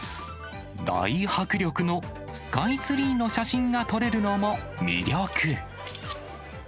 大迫力のスカイツリーの写真が撮れるのも魅力。